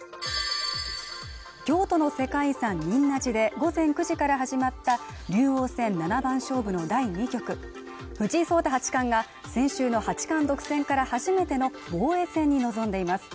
京都の世界遺産仁和寺で午前９時から始まった竜王戦七番勝負の第２局藤井聡太八冠が先週の八冠独占から初めての防衛戦に臨んでいます